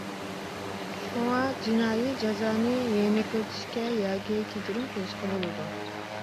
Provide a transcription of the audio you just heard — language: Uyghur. شۇڭا جىنايى جازانى يېنىكلىتىشكە ياكى كەچۈرۈم قىلىشقا بولىدۇ.